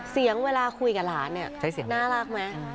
เสียงเวลาคุยกับหลานเนี่ยน่ารักไหม